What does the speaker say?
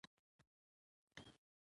پکتيا په غرونو ښکلی ده.